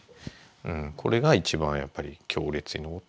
これが一番やっぱり強烈に残って。